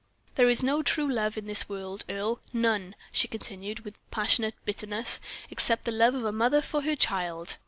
There is no true love in this world, Earle none," she continued, with passionate bitterness, "except the love of a mother for her child."